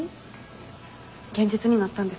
現実になったんですか？